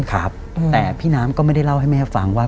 แต่พี่น้ำก็ไม่ได้เล่าให้แม่ฟังว่า